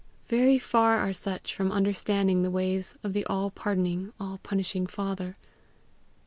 Very far are such from understanding the ways of the all pardoning, all punishing Father!